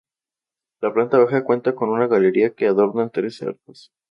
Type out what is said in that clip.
La planta baja cuenta con una galería que adornan tres arcos.